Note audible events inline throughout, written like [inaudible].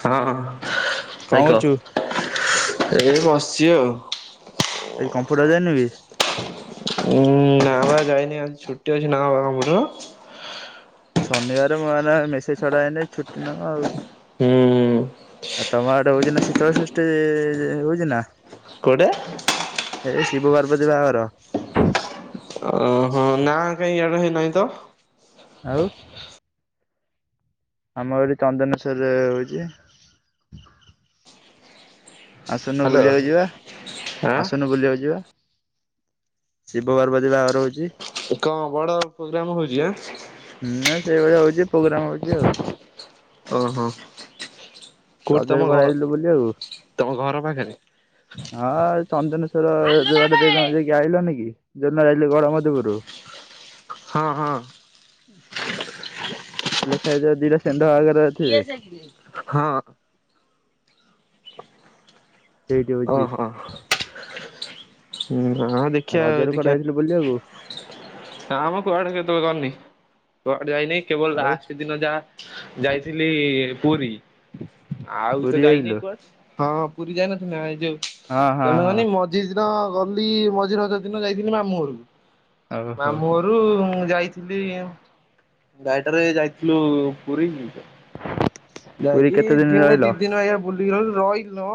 ହଁ କଣ ଭାଇ କରୁଛୁ? କହ। ଏ ବସିଚି ଆଉ। ଆଜି ଉଁ, କମ୍ପ୍ୟୁଟର ଯାଇନୁ କି? ଉଁ, ନା ନା ବା ଯାଇନି ଆଜି ଛୁଟି ଅଛି, ନା ବାବା ମୋର ଶନିବାର ମୁଁ ଆଉ ନା ମେସେଜ୍ ଛଡାହେଇନି ଛୁଟି ନା କ ଆଉ ହୁଁ, ଆଉ ତୋମ ଆଡେ ହଉଚିନା ଶୀତଳ ଷଷ୍ଠୀ ହଉଚି ନା? କୋଉଟା? ବୋଧି ବାହାଘର ଓହୋ ନା କାଇଁ ଇଆଡେ ହେଇନାହିଁତ। ଆଉ ଆମ ଏଠି ଚନ୍ଦନେଶ୍ଵର ରେ ହୋଉଚି। ଆସୁନୁ ହ୍ୟାଲୋ। ବୁଲିବାକୁ ଯିବା, ଆଁ ଆସୁନୁ ବୁଲିବାକୁ ଯିବା। ଶିବ ପାର୍ବତୀ ବାହାଘର ହଉଚି। କଣ ବଡ ପ୍ରୋଗ୍ରାମ ହଉଚି ଆ- ନା ସେଇଭଳିଆ ହଉଛି ପ୍ରୋଗ୍ରାମ ହଉଚି ଆଉ । ଓ ହୋ। ରଜରେ କୁଆଡେ ଯାଇଥିଲୁ ବୁଲିବାକୁ? ତମ ଘର ପାଖରେ? ଆ ହଁ ଚନ୍ଦନେଶ୍ଵର ଦୁଆଟେ ଦଇି ଜଣ ଯାଇକି ଆଇଲନି କି? ଯୌଦିନ ଆଇଲି ଗଡ଼ ମଧବୁରୁ- ହଁ ହଁ। ଲେଖା ଦେଇଥିବ ଦିଟା ଷେଣ୍ଢ ଆଗରେ ଥିବେ ହଁ। ସେଇଠୀ ହଉଚି। ହୁଁ। ହଁ ଦେଖିବା ଆଉ ଦେଖବା, ବୁଲିବାକୁ? ନା ମ କୁଆଡେ କେତେବେଳେ କରିନି। କୁଆଡ ଯାଇନି। କେବଳ ଆଉ ଲାଷ୍ଟ ଦିନ ଯାହା ଯାଇଥିଲି ପୁରୀ। ଆଉ ତ ପୁରୀ ଯାଇନି ଯାଇଥିଲୁ? କୁଆ। ହଁ। ପୁରୀ ଯାଇନ ନାଁ ଯେ ହଁ ହଁ ତଣକାନି ହଁ ମଝି ଦିନ ଗଲି ମଝି ରଜ ଦିନ ଯାଇଥିଲି ମାମୁଁ ଘରକୁ। ଓହୋ। ମାମୁଁ ଘରୁ ଯାଇଥିଲି ଗାଡିଟାରେ ଯାଇଥିଲୁ ପୁରୀ। ପୁରୀ ଯାଇକି କେତେ ଦିନ ଦିନେ ରହିଲ? ଦି ଦିନ ଆଜ୍ଞା ବୁ [unintelligible] ରହିଲ ନ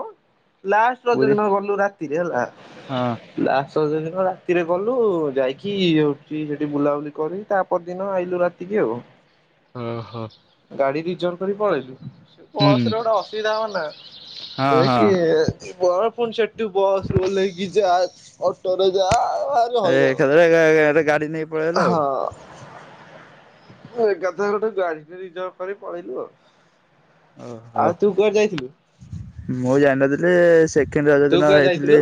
ଲାଷ୍ଟ ରଜ ପୁରୀ ଦିନ ଗଲୁ ରାତିରେ ହେଲା। ହଁ। ଲାଶ୍ ସଜ ଦିନ ରାତିରେ ଗଲୁ। ଯାଇକି ଏଠି ସେଠି ବୁଲାବୁଲି କରି ତାପରଦିନ ଆଇଲୁ ରାତିକି ଆଉ। ଅ ହୋ। ରହି ପଳେଇଲ୍ [inaudible] ବସ ରେ ଗୋଟେ ଅସୁବିଧା ହଉନି ନା। ହଁ ହଁ ଏଇକି ବସ ସେଠୁ ବସରୁ ଓଲ୍ହେଇକି ଯା। ଅଟୋରେ ଯା ଭାରି ହଇରାଣ ଏକାଥରକେ ଗାଡି ଏ ଗାଡ଼ି ନେଇ ପଳେଇଲା ଆଉ। ଏକାଥରକେ ଗୋଟେ ଗାଡିଟେ ରିଜର୍ଭ କରିକି ପଳେଇଲୁ ଆଉ। ଓହୋ ଆଉ ତୁ କୁଆଡେ ଯାଇଥିଲୁ? ମୁଁ ଯାଇନଥିଲି। ସେକେଣ୍ଡ ରଜ ତୁ ଦିନ କୁଆଡେ ଯାଇଥିଲି। ଯାଇଥିଲୁ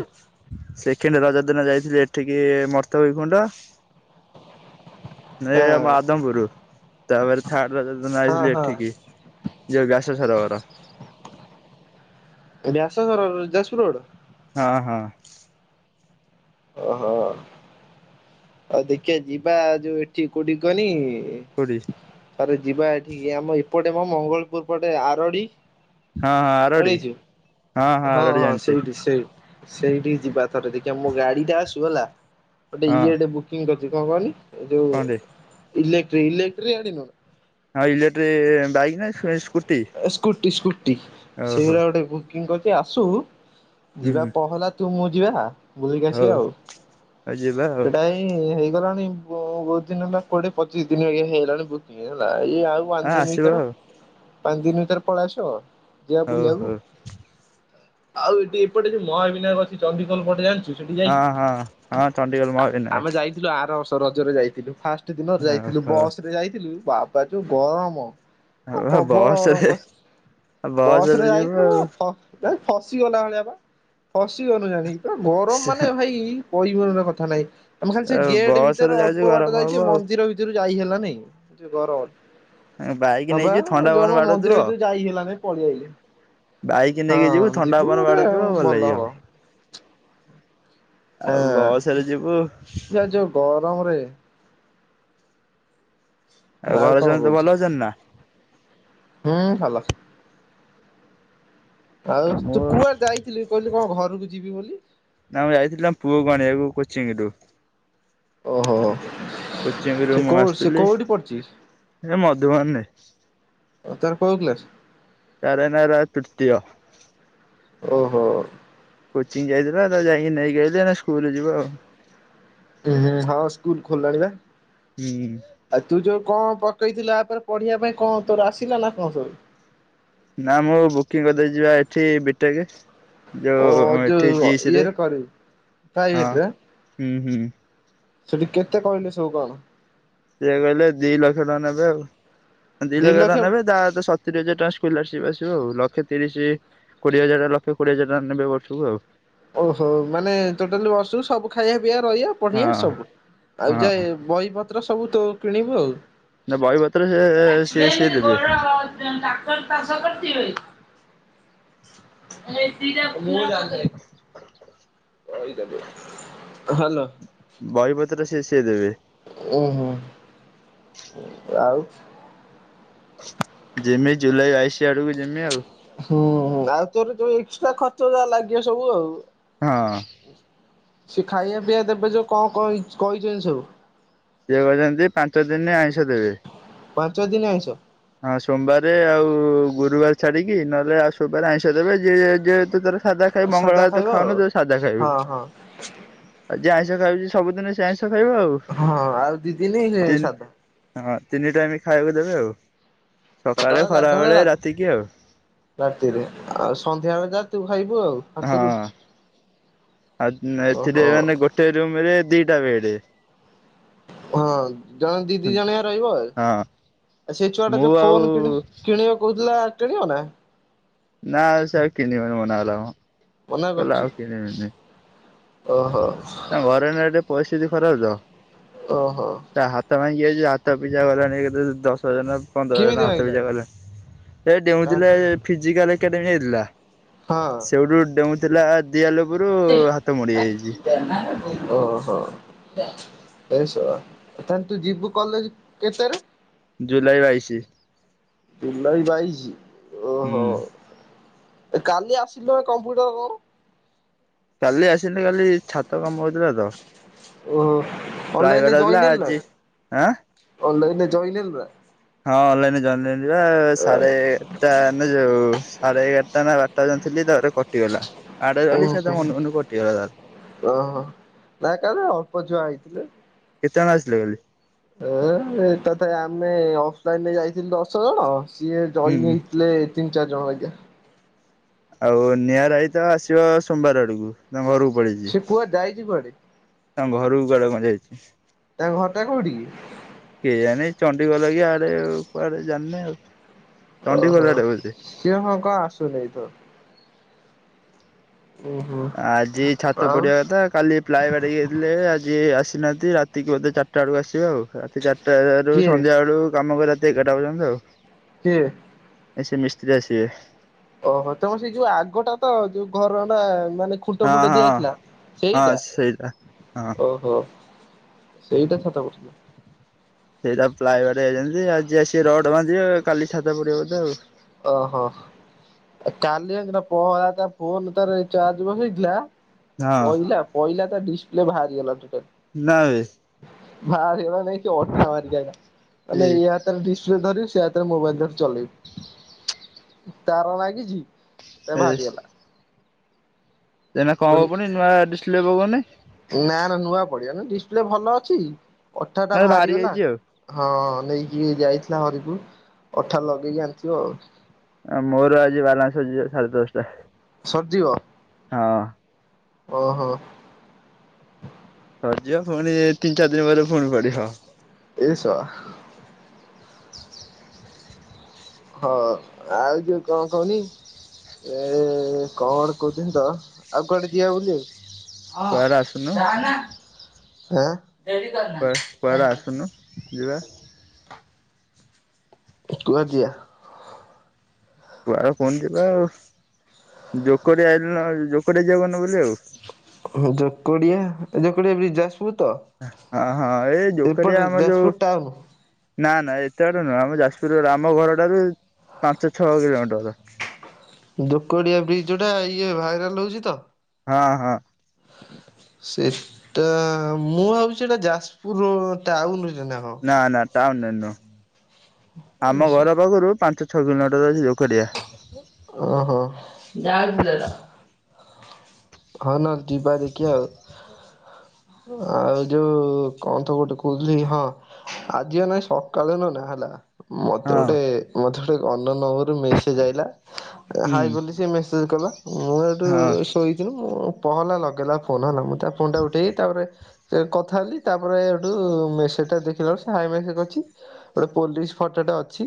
ସେକେଣ୍ଡ ରଜ ଦିନ ଯାଇ ଏଠିକି ମର୍ତକି କୁଣ୍ଡ। ନାଇଁ ହଁ ଆମ ଆଦମପୁରୁ ତାପରେ ଥାର୍ଡ଼ ରଜ ଦିନ ହଁ ଆଇଥିଲି ହଁ ଏଠିକି। ବ୍ୟାସୋ ସରବର। ବ୍ୟାସୋ ସରବର ଯାଜପୁର ରୋଡ। ହଁ ହଁ। ଓହୋ। ଆଉ ଦେଖିିବା ଯିବା ଯୋଉ ଏଠି କୋଉଠି କହନି କୋଉଠି ଥରେ ଯିବା ଏଠିକି ଆମ ଏପଟେ ମ ମଙ୍ଗଳପୁର ପଟେ ଆରଡି। ହଁ ହଁ ଆରଡ଼ି। ଜାଣିଛୁ ହଁ ହଁ ଅଲେଡି ଜାଣିଛି। ସେଇଠିକି ଯିବାଥରେ ଦେଖିବା ମୋ ଗାଡି ଟା ଆସୁ ହେଲା। ଗୋଟେ ହଁ ଇଏଟେ ବୁକିଂ କରି ଯେ କଣ କହନି। ଯଉ କଣଟେ ଇଲେକ୍ଟ୍ରି ଇଲେକ୍ଟ୍ରି ଆଣିବ। ହଁ ଉଲେକ୍ଟ୍ରି ଇଁ ଇଁ ସ୍କୁଟି ସ୍କୁଟି ଓହୋ ସେଇରା ଗୁଟେକୁ ଗୋଟେ କିଂ କରିଛି ଆସୁ। ଯିବା ହୁଁ। ପହଲା। ତୁ ମୁଁ ଯିବା। ବୁଲିକି ଆସିଆ ହଉ ଆଉ। ଆଉ ଯିବା ଆଉ ସେଟା ହଁ ହେଇ ଗଲାଣି ବହୁତ ଦିନ ହେଲା କୋଡିଏ ପଚିସି ଦିନ ହେଇଗଲାଣି ବୁକିଂ ହେଲା। ଇଏ ଆଉ ଆ ପାଞ୍ଚ ଦିନ ଆସିବା ଭିତରେ। ଆଉ ପାଞ୍ଚ ଦିନ ଭିତରେ ପଳାଆସିବ? ଯିବା ହଉ ବୁଲିବାକୁ। ହଉ ଆଉ ଏଠି ଏଟେ ଯୋ ମହାବିନାୟକ ଅଛି ଚଣ୍ଡୀକଲ ପଟେ ଜାଣିଚୁ? ହଁ ହଁ ହଁ ଚଣ୍ଡିକଲ ମାହା ଆମେ ବିନାୟକ। ଯାଇଥିଲୁ ଆର ବର୍ଷ ରଜରେ ଯାଇଥିଲୁ ଫାଷ୍ଟ ଗୋଟେ ଦିନ ଯାଇଥିଲୁ ହଉ ବସ ରେ ଯାଇଥିଲୁ ବା ବାଚୁ ଯୋଉ ଗରମ। ଆଉ ପ୍ରବଳ ଗରମ ବସରେ କଷିଛି। ବସରେ ଯିଵୁ ଆଉ। ନ ଫସିଗଲା ଭଳିଆ ବା ଫସିଗନୁ ଜାଣିକି। ଗରମ ମାନେ ଭାଇ କହିବି ମନର କଥା ନାଇଁ ତମେ ଖାଲି ସେ ଆଉ ଗେଟ୍ ବସରେ ଭିତରେ ଯାଉଚୁ ଅଳ୍ପ ଗରମ ବାଟ ହବ ଯାଇଚି। ମନ୍ଦିର ଭିତରୁ ଯାଇ ହେଲାନାଇ ଯଉ ଗରମ । ହ। ହବା ଜମା ମନ୍ଦିର ଭିତରେ ଯାଇ ହେଲାନାଇ ପଳେଇଆଲି। ବାଇକ୍ ନେଇକି ହଁ ଥଣ୍ଡା ଯିବୁ ପବନ ଗୋଟେ ବାଡଉଥିବ ଭଲ ଲାଗିବ ହବ। ହଁ ଆଉ ବସରେ ଯିବୁ ଯା ଯୋଉ ଗରମରେ ଆଉ ଘରେ କଣ ସମସ୍ତେ କହୁଚୁ ଭଲ ଅଛନ୍ତି ନା? ହୁଁ ଭଲ। ଆଉ ମୁଁ ତୁ କୁଆଡ ଯାଇଥିଲୁ କହିଲ କଣ ଘରକୁ ଯିବି ବୋଲି ନା ମୁ ଯାଇଥିଲି ଆମ ପୁଅକୁ ଆଣିବାକୁ କୋଚିଙ୍ଗ ରୁ। ଓହୋ କୋଚିଂ ସେ ରୁ ମୁଁ କୋଉ ସେ ଆସୁଥିଲି କୋଉଠି ପଢୁଚି ଏ ମଧୁବନେ। କଉ କ୍ଲାସ? ତାର ଏଇନା ହେଲା ତୃତୀୟ। ଓହୋ। କୋଚିଂ ଯାଇଥିଲା ତ ଯାଇକି ନେଇକି ଆଇଲି, ଏ ନା ସ୍କୁଲ ଯିବ ଆଉ। ଉଁ ହଁ ସ୍କୁଲ ଖୋଲିଲାଣି ବା। ହୁଁ ଆ ତୁ ଯଉ କଣ ପକେଇଥିଲା ତାପରେ ପଢିବା ପାଇଁ କଣ ତୋର ଆସିଲା ନା କଣ ସବୁ। ନା ମୁଁ ବୁକିଂ କରିଦେଇଚି ବା ଏଠି ବିଟେକ। ଓ ଯଉ ଏଠି ଯୋଉ ଜିଶ ରେ, ଇଏରେ କରିବୁ ହଁ ହୁଁ ହୁଁ। ସେଟି କେତେ କଇଲେ ସୁକଣ? ସେଏ କହିଲେ ଦି ଲକ୍ଷ ଟଙ୍କା ନେବେ ଆଉ। ଦି ଲକ୍ଷ ଟଙ୍କା ନେବେ। ତା ସ- ତିରିଶ ହଜାର ଟଙ୍କା ସ୍କଲାରସିପ୍ ଆସିବ ଆଉ। ଲକ୍ଷେ ତିରିଶ କୋଡିଏ ହଜାର ଟଙ୍କା ଲକ୍ଷେ କୋଡିଏ ହଜାର ଟଙ୍କା ନେବେ ବର୍ଷକୁ ଆଉ। ଓହୋ, ମାନେ ଟୋଟାଲି ବର୍ଷକୁ ସବୁ ଖାଇବା ପିଇବା ରହିବା ପଢେଇଆ ହଁ। ସବୁ। ଆଉ ଯାଏ ହଁ ବହି ପତ ପତ୍ର ସବୁ ତ କିଣିବୁ ଆଉ। ନା ବହିପତ୍ର ସେ ସିଏ ସିଏ ଦେବେ [unintelligible] [unintelligible] [inaudible] ହଲୋ। ବଇ ପତ୍ର ଯ ସେ ସବୁ ସେଇ ଦେବେ। ଓ ହୋ। ଆଉ। ଯିମି ଜୁଲାଇ ବାଇଶି ଆଡକୁ ଯିମି ଆଉ। ହୁଁଁ ହୁଁ। ଆଉ ତୋର ଯଉ ଏକ୍ସଟ୍ରା ଖର୍ଚ ଯାହା ଲାଗିବ ସବୁ ଆଉ ହଁ। ସେ ଖାଇବା ପିଇବା ଦେବେ ଯଉ କଣ କହିଛନ୍ତି ସବୁ। ସେଏ କଛନ୍ତି ପାଞ୍ଚ ଦିନରେ ଆଇଁଷ ଦେବେ। ପାଞ୍ଚ ଦିନ ଆଇଁଷ ହଁ ସୋମବାରେ ଆଉ ଗୁରୁବାର ଛାଡ଼ିକି ନହେଲେ ଆଉ ସୋବାରେ ଆଇଁଷ ଦେବେ ଯିଏ ଯେହେତୁ ତାର ସାଧା ଖାଇବ ସାଧା ମଙ୍ଗଳବାର ତ ଖାଇବ ଆଉ। ଖାଉନ ଯୋ ସାଧା ଖାଇବୁ। ହଁ ହଁ ଆ ଆଇଁସ ଖାଉଛି ସବୁଦିନ। ଖାଇବ ଆଉ ହଁ ଆଉ ଦିଦିନି ତିନି ସାଧା। ହଁ ତିନି ଟାଇମ୍ ଖାଇବାକୁ ଦେବେ ଆଉ। ସକାଳେ ଗାଧଳେ ଖରାବେଳେ ରା ରାତିକି ଆଉ ରାତିରେ ଆଉ ସନ୍ଧ୍ୟା ବେଳେ ଯା ତୁ ଖାଇବୁ ଆଉ। ହାତରୁ। ହଁ। ଆଉ ଏଥିରେ ଓହୋ ମାନେ ଗୋଟେ ରୁମରେ ଦି କେତିଟା ବେଡ। ହଁ ଜଣେ ଦିଦି ଜଣଆ ରହିବ ହଁ। ଆଉ ସେଇ ଛୁଆ ଟା ମୁଁ ଯୋଉ ଆଉ ଫୋନ କି କିଣିବାକୁ କହୁଥିଲା। କିଣିବ ନାଁ? ନା ସେ ଆଉ କିଣିବନି ମନା କଲାମ। ମନା କହିଲା କରୁଛି ଆଉ କିଣିବିନି। ଓହୋ। ତାଙ୍କ ଘରେ ଏଇନା ଟିକେ ପରିସ୍ଥିତି ଖରାପ ତ। ଓହୋ ତା ହାତ ଭାଙ୍ଗିଯାଇ ଇ ଆ ତା ପିଜା ଗଲାଣି ଦଶ ଛଅ ହଜାର ନା ପନ୍ଦର ହଜାର କେମିତି ହାତ ଭାଙ୍ଗିଲା ପିଛା ଗଲା ଏ ଡେଉଁଥିଲେ ଫିଜିକାଲ୍। କେବେ ହେଇଥିଲା। ହଁ। ସେଉଠୁ ଡେଉଁ ଥିଲା। ଦିଆଲୁ ପୁର ହାତ ମୋଡି ଯାଇଛି ଓହୋ। ଏ ଶଳା ତାନ୍ ତୁ ଯିବୁ କଲେଜ କେତେରେ? ଜୁଲାଇ ବାଇଶି। ଜୁଲାଇ ବାଇଶି। ଓହୋ। ହୁଁ। କାଲି ଆସିଲ କମ୍ପୁଟର କଣ? କାଲି ଆସିଲି କାଲି ଛାତ କାମ ହଉଥିଲା ତ ଓହୋ [inaudible] ଡ୍ରାଏ ଅନଲାଇନରେ ମରାହଉଥିଲା ଜଏନ୍ ଆଜି ଆଁ ଯଏନ୍ ହେଲୁ ନାଁ ହଁ ଅନଲାଇନରେ ଯଏନ୍ ହେଲି। ଏରା ସାରେ ଏଗାରଟା। ମାନେ ଯୋଉ ସାଢେ ଏଗାରଟା ନା ବାରଟା ଯାଏଁ ଥିଲି ତାପରେ କଟିଗଲା। ଆଡେ ରହିଲି ଓହୋ। ସେ ତା ମନକୁ ମନକୁ କଟିଗଲା ତାର ଓ ହ ତାଙ୍କର ଅଳ୍ପ ଛୁଆ ହେଇଚି। [unintelligible] କେତେଜଣ ଆସିଲେ ବୋଲି? ଏ ଏଇଟା ତ ଆମେ ଅଫଲାଇନରେ ଯାଇଥିଲୁ ଦଶଜଣ। ସିଏ ହୁଁ ଜଏନ୍ ହୁଁ। ହେଇଥିଲେ ତିନି ଚାରି ଜଣ ଐକା। ଆଉ ନିଆଁରାଇତା ଆସିବ ସୋମବାର ଆଡକୁ। ତାଙ୍କ ଘରକୁ ପଳେଇଚି। ସେ କୁଆଡେ ଯାଇଛି କୁଆଡେ ତାଙ୍କ ଘରକୁ କୁଆଡେ କଣ ଯାଇଚି। ତମ ଘରଟା କୋଉଠିକି? କେଜାଣି ଚଣ୍ଡିଖୋଲ କି ଆଡେ କୁଆଡେ ଜାଣିନି ଆଉ। ଚଣ୍ଡିଖୋଲ ଓହୋ ଆଡେ ବୋଧେ ସିଏ ହଁ କଣ ଆସୁ ନେଇ ତ। ଉଁ ହୁଁ ଆଜି ଛାତ ଆଉ ପଡିବା କଥା କାଲି ପ୍ଲାାଇ ବାଡେଇକି ଯାଇଥିଲେ ଆ ଜି ଆସିନାହାନ୍ତି ରାତିକୁ ବୋଧେ ଚାରିଟା ବେଳକୁ ଆସିବେ ଆଉ। ରାତି ଚାର ତାରୁ କିଏ ସନ୍ଧ୍ୟା ବେଳୁ କାମ କରା ଏଗାର ଟା ପର୍ଯ୍ୟନ୍ତ। କିଏ? ଏ ସେ ମିସ୍ତ୍ରୀ ଆସିବେ। ଓହୋ ତୁମର ସେଇ ଯଉ ଆଗଟା ତ ଯଉ ଘର ନା ମାନେ ଖୁଣ୍ଟ ହଁ ଫୁଣ୍ଟ ହଁ ଦିଆଯାଇଥିଲା। ହଁ ସେଇଟା ହଁ ଓହୋ। ସେଇଟା ଛାତ ପଡ଼ଥିଲା। ସେଟା ପ୍ଲାଏର ଦେଇଚନ୍ତି, ଆଜି ଆସିବେ ରଡ ବାନ୍ଧିବେ କାଲି ଛାତ ପଡିବ ବୋଧେ ଆଉ। ଓହୋ। କାଲି ଜାଣଛୁନା ପହଲା ତା ଫୋନଟା ତାର ଚାର୍ଜ ବସେଇଥିଲା ହଁ ପଇଲା ପଇଲା ତା ଡିସପ୍ଲେ ବାହାରିଗଲା ଟୁ ଟ ନା ବେ ଭାରିବ । ନେଇକି ଅଠା ମାରିକି ଆଇଲା । ମାନେ ଏ ହାତରେ ଡିସପ୍ଲେ ଧରିବୁ ସେ ହାତ ରେ ମୋବାଇଲ ଧରି ଚଲେେଇ ତାର ନାଗିଚି? ଏ ବାହାରିଗଲା। ସେନା କଣ ହବ ପୁଣି ନୂଆ ଡିସପ୍ଲେ ପକୋଉନି। ଲେ ଭଲ ଅଚି? ଅଠାଟା ବାହାରିଗଲା। ଯାଇଛି ଆଉ ହଁ ନେଇକି ଯାଇଥିଲା ହରିପୁର। ଅଠା ଲଗେଇକି ଆଣିଚୁ ଆଉ। ମୋର ଆଜି ବାଲାନ୍ସ ସରିଯିବ ସାଡେ ଦଶଟା। ସର୍ ଯିବ? ହଁ। ଓହୋ। ସରଯିବ ପୁଣି ତିନ ଚାରି ଦିନ ପରେ ପୁଣି ପଡିବ। ଏ ଶଳା ହଁ ଆଉ ଯୋଉ କଣ କହନି, ଏ-ଏ-ଏ କଣ କହୁଥିନିତ ଆଉ କୁଆଡେ ଯିବା ବୁଲିବାକୁ? ହଁ କୁଆଡେ ଆସୁନୁ ଜାହାନା ହା କୁଆ କୁଆଡେ ଆସୁନୁ। ଯିବା ତୁଆ ଯିଆ କୁଆଡେ କହୁନୁ ଯିବା ଆଉ। ଜୋକଡ଼ିଆ ନ ଜୋକଡ଼ିଆ ଯିବା ବନବୁଲିବାକୁ। ଯୋକଡିଆ ଏ ଯ [unintelligible] ବି ଜଷ୍ଟ ହଁ ହଁ ଏଇ ଏପଟେ ଯୋକଡ଼ିଆ ଆମର ଯୋଉ ଯାଜପୁର ଟାଉନ ନା ନା ଏତେ ବାଟ ନୁହଁ। ଆମ ଯାଜପୁର ରୋଡ଼ ଆମ ଘରଠାରୁ ପାଞ୍ଚ ଛଅ କିଲୋମିଟର। ଦୋକଡିଆ ବ୍ରିଜ ଯୋଉଟା ଇଏ ଭାଇରାଲ ହଉଚି ତ। ହଁ ହଁ। ସେ-ଏ-ଟା ମୁଁ ଭାବୁଚି ସେଟା ଯାଜପୁର ରୋ ଟାଉନ ନାଁ ନା ଟାଉନ ନେନୁ ଥ ଆମ ଘର ପାଖରୁ ପାଞ୍ଚ [unintelligible] ଓହୋ। [unintelligible] ହଁ ନା ଯିବା ଦେଖିଆଉ। ଆଉ ଯୋଉ କଣ ତ ଗୋଟେ କହୁଥିଲି ହଁ ଆଜି ନାଇ ସକାଳେ ନନା ହେଲା ମତେ ହଁ ଗୋଟେ ମତେ ଅନ୍ୟ ନମ୍ବର ରୁ ମେସେଜ୍ ଆଇଲା ହୁଁ ହାଏ ବୋଲି ସେ ମେସେଜ କଲା। ମୁଁ ଏଠୁ-ଉ-ଉ ହଁ ଶୋଇ ଉ ପହଲା ଲଗେଇଲା ଫୋନ ହେଲା ମୁଁ ତା ଫୋନଟା ଉଠେଇ ତାପରେ ସେ କଥା ହେଲି ତାପରେ ଏଠୁ ମେସେଜ ଟା ଦେଖିଲାଠୁ ସେ ହାଏ ମେସେଜ କରିଛି। ଗୋଟେ ପୋଲିସ ଫଟୋଟା ଅଛି।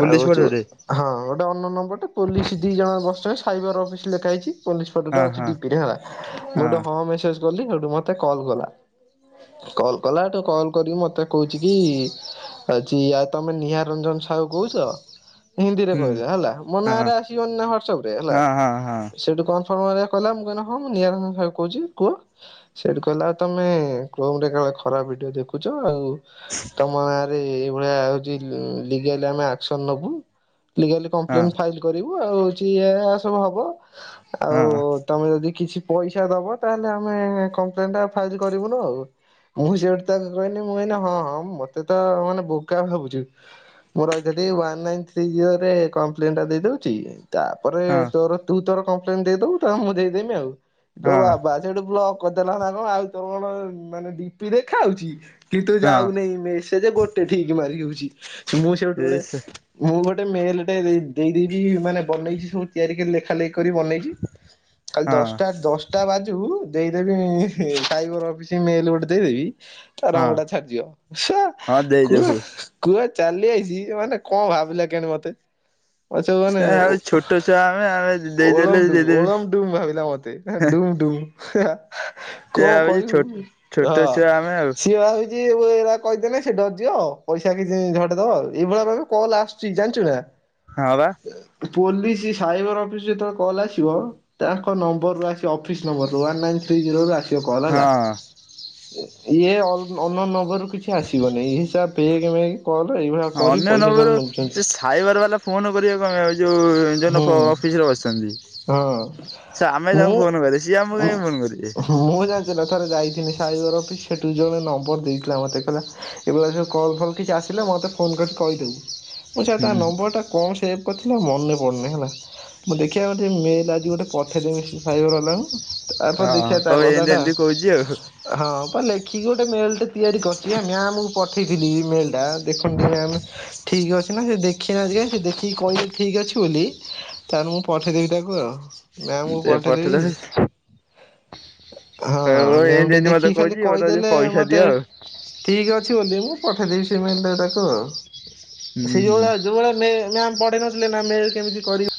ପୋଲିସ ଆଉ ଯୋଉଁ ପଟରେ ହଁ ଦ ଅନ ନନ୍ ନମ୍ବରଟେ ପୋଲିସ ଦି ଜଣ ବସିଛନ୍ତି। ସାଇବର ଅଫିସ ଲେଖାହେଇଛି ପୋଲି ଫୋଟଟା ହଁ ଅଛି ହଁ ଡିପିରେ ହେଲା, ମୁଁ ଗୋଟେ ହଁ ମେସେଜ୍ ଗଲି ହେଠୁ ମତେ କଲ କଲା। କଲ କଲାଠୁ କଲ କରିକି ମତେ କହୁଛି କି-ଇ-ଇ ତମେ ନିହାର ରଞ୍ଜନ ସାହୁ କହୁଛ ହିନ୍ଦୀରେ ହୁଁ କହିଲା ହେଲା ମୋ ନାଁ ହଁ ରେ ଆସିବନି ନା ହ୍ୱାଟସପରେ ହେଲା। ହଁ ହଁ ସେଇଠୁ କ କ ମୁଁ କହିଲା ହଁ ମୁଁ ନିହାର ରଞ୍ଜନ ସାହୁ କହୁଛି କୁହ ସେଠୁ କହିଲା ଆଉ ତମେ କ ଖରାପ ଭିଡିଓ ଦେଖୁଛ ଆଉ ତମ ନାଁ ରେ ଭଳିଆ ଲିଗାଲ ଆମେ ଆସ୍କନ ନବୁ ଲିଗାଲି ହଁ କମ୍ପ୍ଲେନ୍ ଫାଇଲ୍ କରିି ଆଉ ହଉଛି ଇଏ ସବୁ ହବ ହଁ ଆଉ ତମେ ଯଦି କିଛି ପଇସା ଦବ ତାହେଲେ ଆମେ କମ୍ପ୍ଲେନ ଟା ଫାଇଲ୍ କରିବୁନୁ ଆଉ ମୁଁ ସେଠି ତାକୁ କହିଲି ମୁଁ କନି ହଁ ହଁ ମୋତେ ତ ମାନେ ବୋକା ଭାବୁଛୁ ମୁଁ ରହିଥିଲି one nine three year complaint ଟା ଦେଇଦଉଛି। ତାପରେ ହଁ ତୋର ତୁ ତୋର ଦେଇଦବୁ ତା ମୁଁ ଦେଇଦେମି ଆଉ ହଁ ତୋ ହଁ ବାବା ସେଇଠୁ ବ୍ଲ କରିଦେଲାତା କଣ ଆଉ ତୋର କଣ ମାନେ ଡିପି ଦେଖା ହୋଉଛି। କିନ୍ତୁ ହଁ ଯାଉନିଁ ମେସେଜ ଗୋଟେ ଠିକ୍ ମାରି ହଉଛି। [unintelligible] ମୁଁ ସେଇଠୁ ଏ ଗୋଟେ ସେ ମୁଁ ଗୋ ଗୋ ମେଲ ଟେ ଦେଇକି ମାନେ ବନେଇଛି ସବ ଆରି କରି ଲେଖା ଲେଖି କରି ବନେଇ କାଲି ହଁ ଦଶଟା ଦଶଟା ବାଜୁ ଦେଇଦେବି ସାଇବର ଅଫିସ ମେଲ ଗୋଟେ ଦେଇଦେବି। ତା ହଁ ରଙ୍ଗ ଟା ଛାଡିଯିବ ହଁ [unintelligible] କୁଆ ଦେଇଦବୁ କୁଆ ଚାଲି ଆଇଚି ମାନେ କଣ ଭାବିଲା କିଆଣି ମତେ ମତେ ସବୁ ମାନେ ଆଉ ଛୋଟ ଛୁଆ ଆମେ ଆମେ ଦେଇଦେଲେ ଡୁ ଦେଇଦେବି ଓଳମ ଡୁମ ଭାବିଲା ମତେ ଡୁମ୍ ଡୁମ୍ ହେଁ ହାଃ। ସେ କଣ ଭାବୁଛି ଛୋ କହିବୁ ଛୋଟ ଛୁଆ ଆମେ ହଁ ଆଉ ସିଏ ଭାବୁଛି [unintelligible] କହିଦେଲେ ସେ ଡରି ଯିବ ପଇସା କିଛି ଝଡ ଦବ ଆଉ ଏଇଭଳି ଭାବେ କଲ ଆସୁଛି ଜାଣିଛୁ ନା ହଁ ବା ପୋଲିସ ସାଇବର ଅଫିସ ତେବେଳେ କଲ୍ ଆସି ଥିବ ତାଙ୍କ ନମ୍ବର ରୁ ଆସିବ ଅଫିସ ନମ୍ବର ର ଓନ୍ ନାଇନ ଥ୍ରୀ ଜିରୋ ରୁ ଆସିବ। କଲ ହେଲା। ଇଏ ଅ ଅନନ୍ନ ନମ୍ବର କିଛି ଆସିବନିଁଇ ହିସାବ। [unintelligible] ହଁ ଅନ୍ୟ ନବରୁ ସେ ସାଇବାର ବାଲା ଫୋନ କରିବାକୁ କମେ ଯୋଉ ଯୋଉ ହୁଁ ନୋକ ଅଫିସରେ ବସିଛନ୍ତି ହଁ ସେ ଆମେ ତାଙ୍କୁ ଫୋନ୍ ମୁଁ କରେ ସିଏ ଆମ କୁ କହିଁକି ଫୋନ୍ କରିବେ। ମୁଁ ଜାଣିଚୁନା ଥରେ ଯାଇଥିଲି ସାଇବର ସେଠୁ ଜଣେ ନମ୍ବର ଦେଇଥିଲା ମତେ କହିଲା ଏଳିଆ ସବୁ କଲଲ୍ କିଛି ଆସିଲା ମତେ ଫୋନ କରି କହିଦେବୁ। ମୁଁ ଛା ତା ହୁଁ ନମ୍ବର ଟା କ ସେବେ କରିଥି ତୁଟା ମନେ ପନି ହେଲା ମୁଁ ଦେଖିବା ମାତ୍ରେ ମେଲ୍ ଆଜି ଗୋଟେ ପଠେଇ ଦେମି ସେ ସାଇବର ବାଲାଙ୍କୁ। ତାପରେ ହଁ ଦେଖିବା ତା କହିବୁ ଏମିତି ଏମିତି କହୁଚି ଆଉ। ତ ଲେଖିକି ଗୋଟେ ମେଲ୍ ଟେ ତିଆରି କରିଚି ଯେ ମ୍ୟାମ୍ କୁ ପଠେଇଥିଲି ମେଲ୍ ଟା ଦେଖନି ଟିକେ ମ୍ୟାମ୍ ଠିକ୍ ଅଛି ନା ସେ ଦେଖିନାହାନ୍ତି ଜାଣିଚୁ, ଦେଖିକି କହିଲେ ଯଦି ଠିକ୍ ଅଛି ବୁଲି ତାହେନେ ମୁଁ ପଠେଇଦେବି ତାକୁ ଆଉ। ଦେ ପଠେଇଦେବି ହଁ ମ୍ୟାମ୍ ଟେ ଦେଖିକି ଖାଲି କହୁଛି ମତେ କହୁଛି କହିଦେଲେ ପଇସା ମୋତେ ଦିଅ ଆଉ ଠିକ ଅଛି ବୋଲି ମୁଁ ପଠେଇଦେବି ସେ ମେମ୍ ତାକୁ ଡାକ। ସେ ହୁଁ ଯୋଉ ହୁଁ। ଭଳି ଯୋଉ ଭଳି ମେ ମ୍ୟାମ୍ ପଢେଇ ନଥିଲେ ନା ମେଳ କେମିତି କରିବ